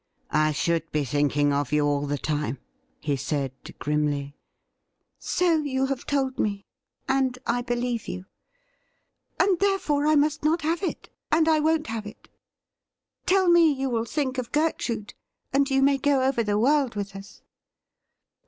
* I should be thinking of you all the time,' he said grimly. ' So you have told me, and I believe you ; and therefore I must not have it, and I won't have it. Tell me you will think of Gertrude, and you may go over the world with us.'